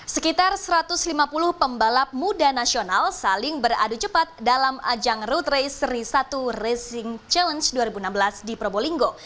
sekitar satu ratus lima puluh pembalap muda nasional saling beradu cepat dalam ajang road race seri satu racing challenge dua ribu enam belas di probolinggo